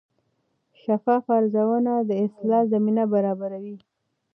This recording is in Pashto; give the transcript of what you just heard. شفاف ارزونه د اصلاح زمینه برابروي.